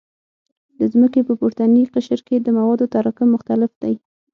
د ځمکې په پورتني قشر کې د موادو تراکم مختلف دی